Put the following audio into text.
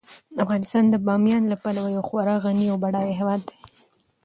افغانستان د بامیان له پلوه یو خورا غني او بډایه هیواد دی.